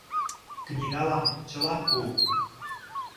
Книгалам чыла пу...